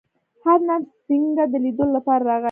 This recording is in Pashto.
هرنام سینګه د لیدلو لپاره راغی.